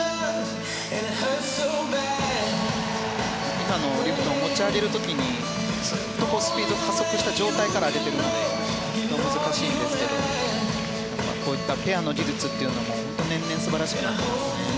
今の、リフトを持ち上げる時にずっとスピードで加速した状態から上げているので難しいんですがこういったペアの技術というのも本当に年々、素晴らしくなってますね。